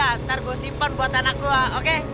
nanti gue simpan buat anak gue oke